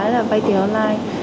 là vay tiền online